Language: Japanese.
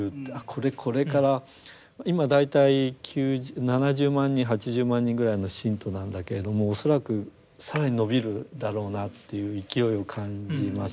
これこれから今大体７０万人８０万人ぐらいの信徒なんだけれども恐らく更に伸びるだろうなという勢いを感じましたね。